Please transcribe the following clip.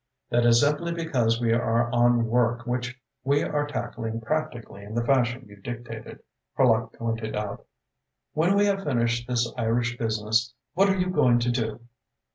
"That is simply because we are on work which we are tackling practically in the fashion you dictated," Horlock pointed out. "When we have finished this Irish business, what are you going to do?"